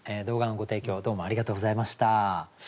動画のご提供どうもありがとうございました。